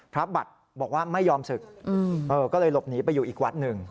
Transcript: พระบัตรบอกว่าไม่ยอมศึกก็เลยหลบหนีไปอยู่อีกวัดหนึ่ง